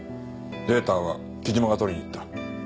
データは木島が取りに行った。